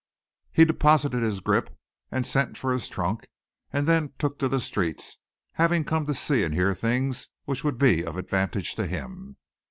He deposited his grip and sent for his trunk and then took to the streets, having come to see and hear things which would be of advantage to him.